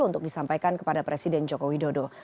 untuk disampaikan kepada presiden joko widodo